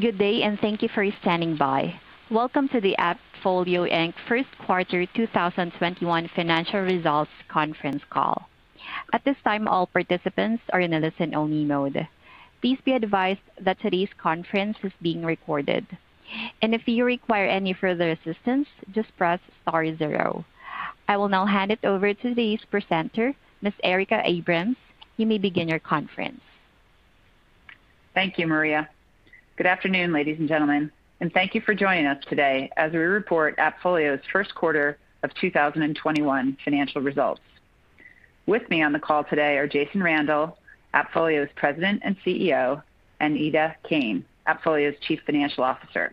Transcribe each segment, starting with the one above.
Good day. Thank you for standing by. Welcome to the AppFolio, Inc first quarter 2021 financial results conference call. At this time, all participants are in a listen-only mode. Please be advised that today's conference is being recorded. If you require any further assistance, just press star zero. I will now hand it over to today's presenter, Ms. Erica Abrams. You may begin your conference. Thank you, Maria. Good afternoon, ladies and gentlemen, and thank you for joining us today as we report AppFolio's first quarter of 2021 financial results. With me on the call today are Jason Randall, AppFolio's President and CEO, and Ida Kane, AppFolio's Chief Financial Officer.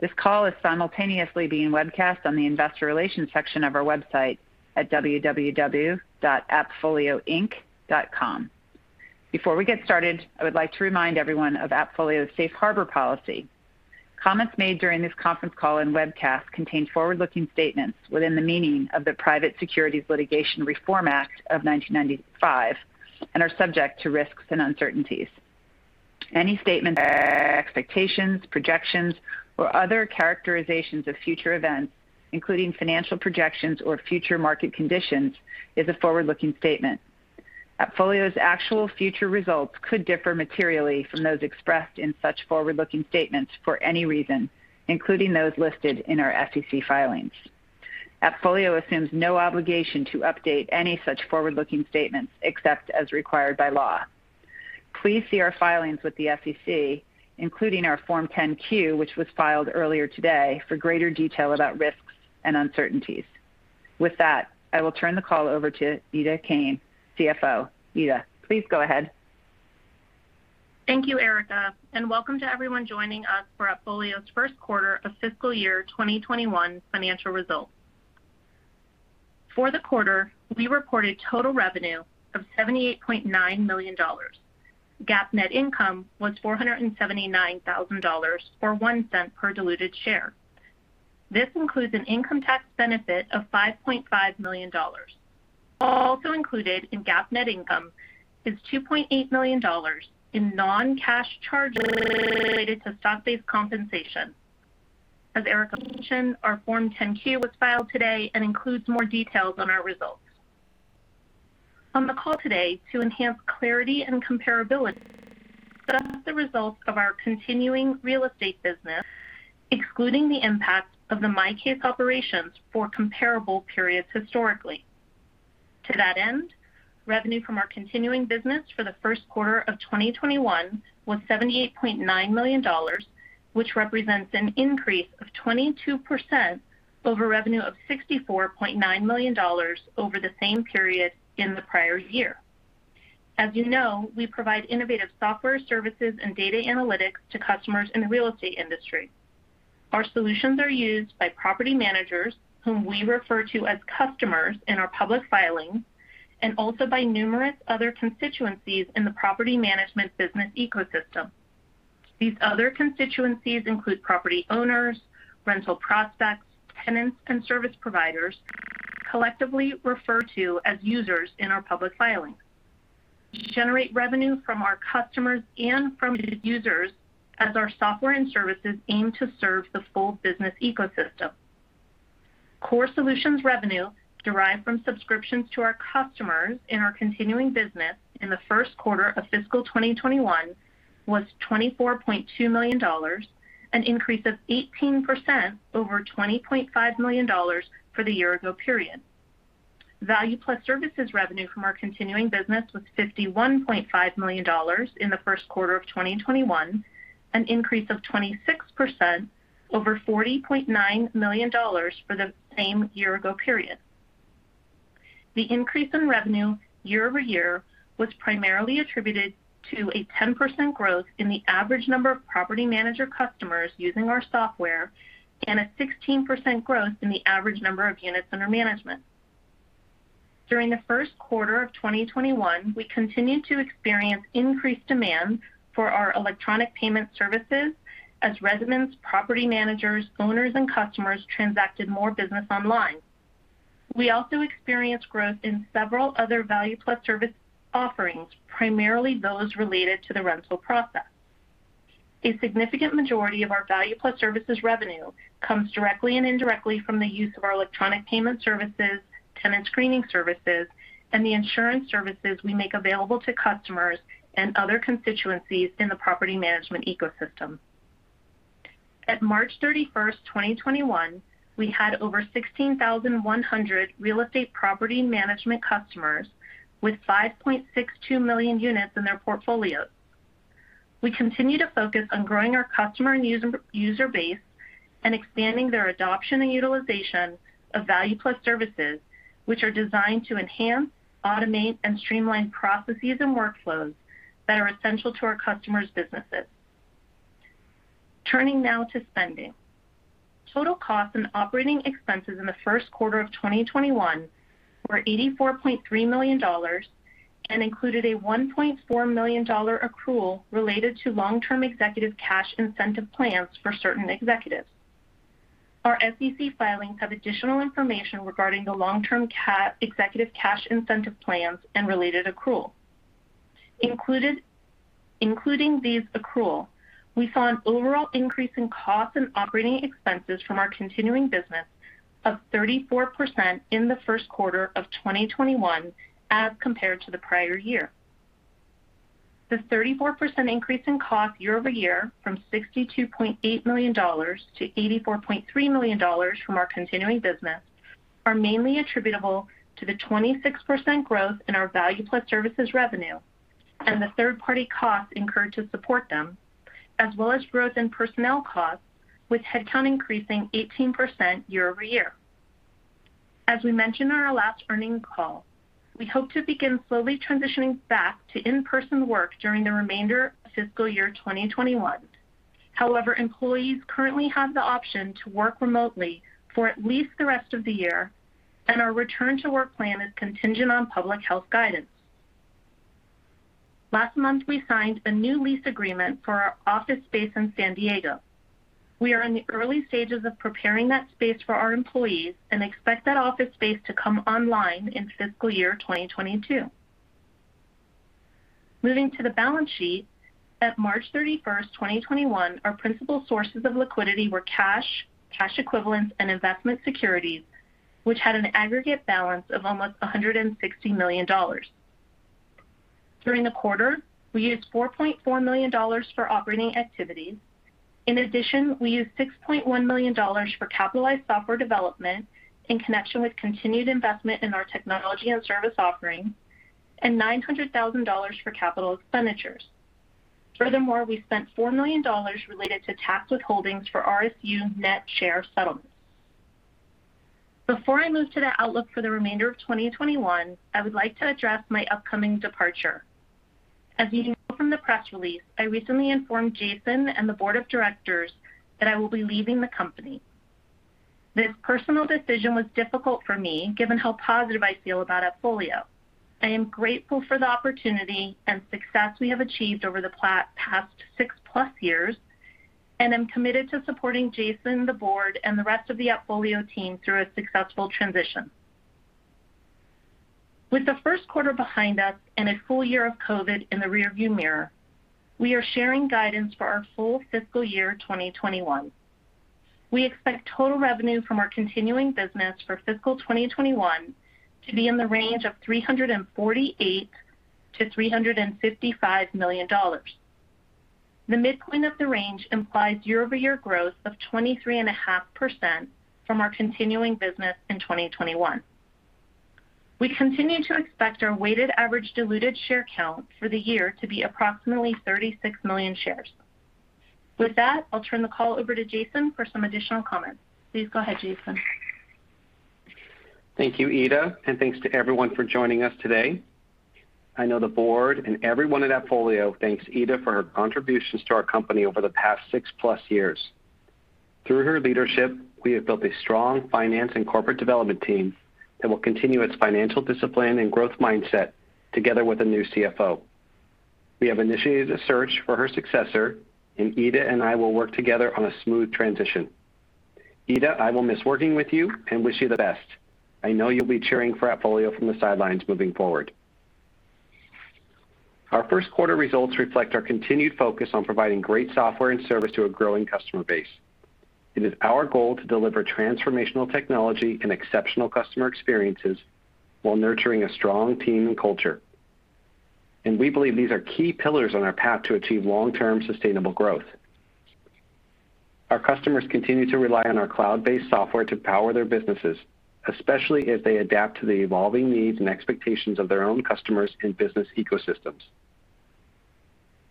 This call is simultaneously being webcast on the investor relations section of our website at www.appfolioinc.com. Before we get started, I would like to remind everyone of AppFolio's safe harbor policy. Comments made during this conference call and webcast contain forward-looking statements within the meaning of the Private Securities Litigation Reform Act of 1995 and are subject to risks and uncertainties. Any statement expectations, projections, or other characterizations of future events, including financial projections or future market conditions, is a forward-looking statement. AppFolio's actual future results could differ materially from those expressed in such forward-looking statements for any reason, including those listed in our SEC filings. AppFolio assumes no obligation to update any such forward-looking statements except as required by law. Please see our filings with the SEC, including our Form 10-Q, which was filed earlier today, for greater detail about risks and uncertainties. With that, I will turn the call over to Ida Kane, CFO. Ida, please go ahead. Thank you, Erica, and welcome to everyone joining us for AppFolio's first quarter of fiscal year 2021 financial results. For the quarter, we reported total revenue of $78.9 million. GAAP net income was $479,000, or $0.01 per diluted share. This includes an income tax benefit of $5.5 million. Also included in GAAP net income is $2.8 million in non-cash charges related to stock-based compensation. As Erica mentioned, our Form 10-Q was filed today and includes more details on our results. On the call today, to enhance clarity and comparability, discuss the results of our continuing real estate business, excluding the impact of the MyCase operations for comparable periods historically. To that end, revenue from our continuing business for the first quarter of 2021 was $78.9 million, which represents an increase of 22% over revenue of $64.9 million over the same period in the prior year. As you know, we provide innovative software services and data analytics to customers in the real estate industry. Our solutions are used by property managers, whom we refer to as customers in our public filings, and also by numerous other constituencies in the property management business ecosystem. These other constituencies include property owners, rental prospects, tenants, and service providers, collectively referred to as users in our public filings. We generate revenue from our customers and from users as our software and services aim to serve the full business ecosystem. Core solutions revenue derived from subscriptions to our customers in our continuing business in the first quarter of fiscal 2021 was $24.2 million, an increase of 18% over $20.5 million for the year ago period. Value+ services revenue from our continuing business was $51.5 million in the first quarter of 2021, an increase of 26% over $40.9 million for the same year-ago period. The increase in revenue year-over-year was primarily attributed to a 10% growth in the average number of property manager customers using our software and a 16% growth in the average number of units under management. During the first quarter of 2021, we continued to experience increased demand for our electronic payment services as residents, property managers, owners, and customers transacted more business online. We also experienced growth in several other Value+ service offerings, primarily those related to the rental process. A significant majority of our Value+ services revenue comes directly and indirectly from the use of our electronic payment services, tenant screening services, and the insurance services we make available to customers and other constituencies in the property management ecosystem. At March 31st, 2021, we had over 16,100 real estate property management customers with 5.62 million units in their portfolios. We continue to focus on growing our customer and user base and expanding their adoption and utilization of Value+ services, which are designed to enhance, automate, and streamline processes and workflows that are essential to our customers' businesses. Turning now to spending. Total costs and operating expenses in the first quarter of 2021 were $84.3 million and included a $1.4 million accrual related to long-term executive cash incentive plans for certain executives. Our SEC filings have additional information regarding the long-term executive cash incentive plans and related accrual. Including these accrual, we saw an overall increase in costs and operating expenses from our continuing business of 34% in the first quarter of 2021 as compared to the prior year. The 34% increase in cost year-over-year from $62.8 million to $84.3 million from our continuing business are mainly attributable to the 26% growth in our Value+ services revenue and the third-party costs incurred to support them, as well as growth in personnel costs, with headcount increasing 18% year-over-year. As we mentioned on our last earnings call, we hope to begin slowly transitioning back to in-person work during the remainder of fiscal year 2021. However, employees currently have the option to work remotely for at least the rest of the year, and our return-to-work plan is contingent on public health guidance. Last month, we signed a new lease agreement for our office space in San Diego. We are in the early stages of preparing that space for our employees and expect that office space to come online in fiscal year 2022. Moving to the balance sheet, at March 31st, 2021, our principal sources of liquidity were cash equivalents, and investment securities, which had an aggregate balance of almost $160 million. During the quarter, we used $4.4 million for operating activities. In addition, we used $6.1 million for capitalized software development in connection with continued investment in our technology and service offerings, and $900,000 for capital expenditures. Furthermore, we spent $4 million related to tax withholdings for RSU net share settlements. Before I move to the outlook for the remainder of 2021, I would like to address my upcoming departure. As you know from the press release, I recently informed Jason and the board of directors that I will be leaving the company. This personal decision was difficult for me, given how positive I feel about AppFolio. I am grateful for the opportunity and success we have achieved over the past 6+ years, and I'm committed to supporting Jason, the board, and the rest of the AppFolio team through a successful transition. With the first quarter behind us and a full year of COVID in the rear-view mirror, we are sharing guidance for our full fiscal year 2021. We expect total revenue from our continuing business for fiscal 2021 to be in the range of $348 million-$355 million. The midpoint of the range implies year-over-year growth of 23.5% from our continuing business in 2021. We continue to expect our weighted average diluted share count for the year to be approximately 36 million shares. With that, I'll turn the call over to Jason for some additional comments. Please go ahead, Jason. Thank you, Ida. Thanks to everyone for joining us today. I know the board and everyone at AppFolio thanks Ida for her contributions to our company over the past 6+ years. Through her leadership, we have built a strong finance and corporate development team that will continue its financial discipline and growth mindset together with a new CFO. We have initiated a search for her successor. Ida and I will work together on a smooth transition. Ida, I will miss working with you and wish you the best. I know you'll be cheering for AppFolio from the sidelines moving forward. Our first quarter results reflect our continued focus on providing great software and service to a growing customer base. It is our goal to deliver transformational technology and exceptional customer experiences while nurturing a strong team and culture. We believe these are key pillars on our path to achieve long-term sustainable growth. Our customers continue to rely on our cloud-based software to power their businesses, especially as they adapt to the evolving needs and expectations of their own customers and business ecosystems.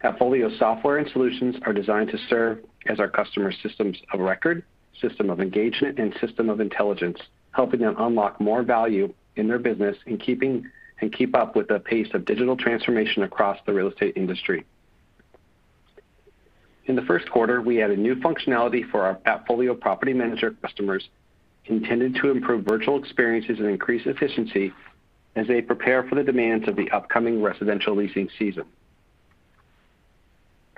AppFolio software and solutions are designed to serve as our customer's systems of record, system of engagement, and system of intelligence, helping them unlock more value in their business and keep up with the pace of digital transformation across the real estate industry. In the first quarter, we added new functionality for our AppFolio Property Manager customers intended to improve virtual experiences and increase efficiency as they prepare for the demands of the upcoming residential leasing season.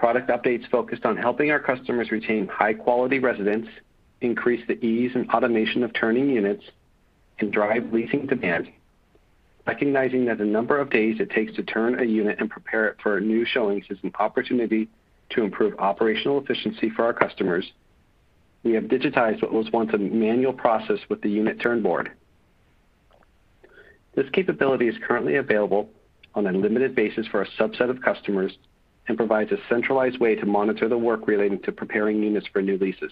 Product updates focused on helping our customers retain high-quality residents, increase the ease and automation of turning units, and drive leasing demand. Recognizing that the number of days it takes to turn a unit and prepare it for a new showing is an opportunity to improve operational efficiency for our customers, we have digitized what was once a manual process with the Unit Turn Board. This capability is currently available on a limited basis for a subset of customers and provides a centralized way to monitor the work relating to preparing units for new leases.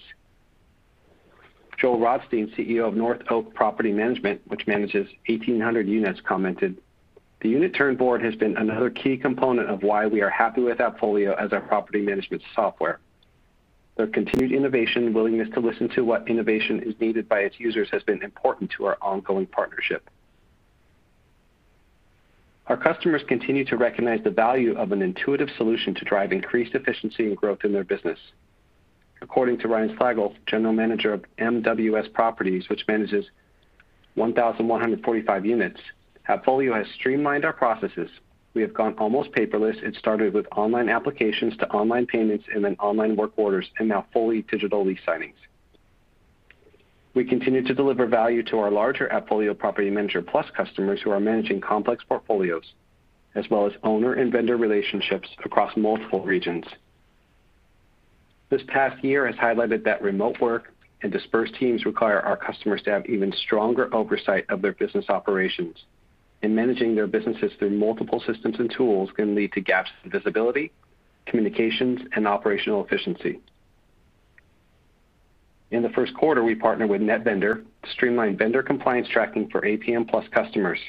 Joel Rothstein, CEO of North Oak Property Management, which manages 1,800 units, commented, "The Unit Turn Board has been another key component of why we are happy with AppFolio as our property management software. Their continued innovation and willingness to listen to what innovation is needed by its users has been important to our ongoing partnership." Our customers continue to recognize the value of an intuitive solution to drive increased efficiency and growth in their business. According to Ryan Slagle, General Manager of MWS Properties, which manages 1,145 units. "AppFolio has streamlined our processes. We have gone almost paperless. It started with online applications to online payments and then online work orders, and now fully digital lease signings." We continue to deliver value to our larger AppFolio Property Manager Plus customers who are managing complex portfolios, as well as owner and vendor relationships across multiple regions. This past year has highlighted that remote work and dispersed teams require our customers to have even stronger oversight of their business operations, and managing their businesses through multiple systems and tools can lead to gaps in visibility, communications, and operational efficiency. In the first quarter, we partnered with NetVendor to streamline vendor compliance tracking for APM Plus customers,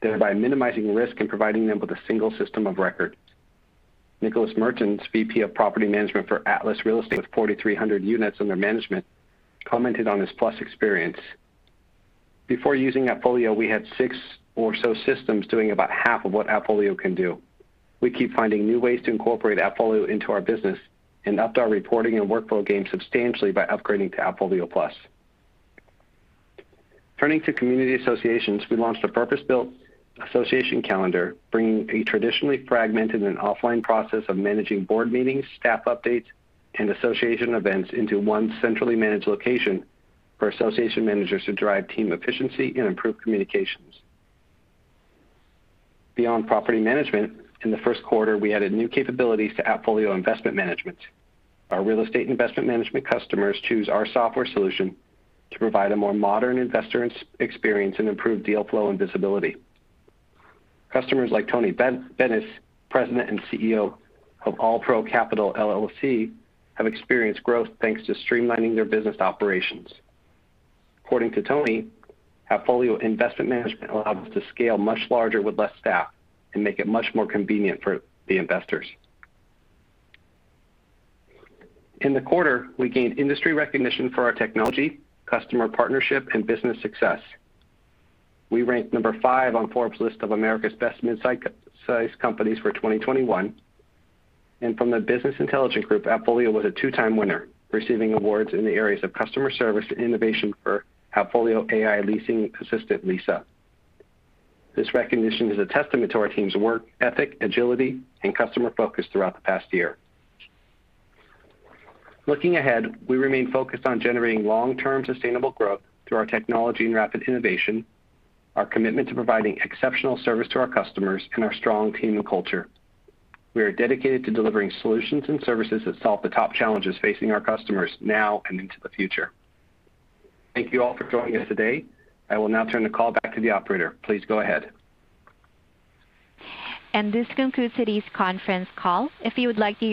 thereby minimizing risk and providing them with a single system of record. Nick Mertens, VP of Property Management for Atlas Real Estate with 4,300 units under management, commented on this Plus experience. "Before using AppFolio, we had six or so systems doing about half of what AppFolio can do. We keep finding new ways to incorporate AppFolio into our business and upped our reporting and workflow game substantially by upgrading to AppFolio Plus." Turning to community associations, we launched a purpose-built association calendar, bringing a traditionally fragmented and offline process of managing board meetings, staff updates, and association events into one centrally managed location for association managers to drive team efficiency and improve communications. Beyond property management, in the first quarter, we added new capabilities to AppFolio Investment Management. Our real estate investment management customers choose our software solution to provide a more modern investor experience and improve deal flow and visibility. Customers like Tony Bennis, President and CEO of All Pro Capital LLC, have experienced growth thanks to streamlining their business operations. According to Tony, "AppFolio Investment Management allows us to scale much larger with less staff and make it much more convenient for the investors." In the quarter, we gained industry recognition for our technology, customer partnership, and business success. We ranked number five on Forbes' list of America's Best Midsize Companies for 2021, and from the Business Intelligence Group, AppFolio was a two-time winner, receiving awards in the areas of customer service and innovation for AppFolio AI Leasing Assistant, Lisa. This recognition is a testament to our team's work ethic, agility, and customer focus throughout the past year. Looking ahead, we remain focused on generating long-term sustainable growth through our technology and rapid innovation, our commitment to providing exceptional service to our customers, and our strong team and culture. We are dedicated to delivering solutions and services that solve the top challenges facing our customers now and into the future. Thank you all for joining us today. I will now turn the call back to the operator. Please go ahead. This concludes today's conference call.